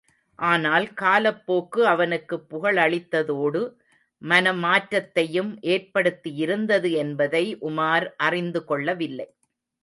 ஆனால் காலப்போக்கு அவனுக்குப் புகழளித்ததோடு மனமாற்றத்தையும் ஏற்படுத்தியிருந்தது என்பதை உமார் அறிந்து கொள்ளவில்லை!